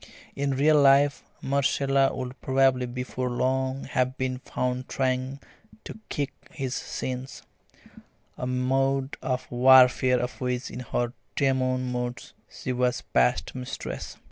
In real life Marcella would probably before long have been found trying to kick his shins a mode of warfare of which in her demon moods she was past mistress.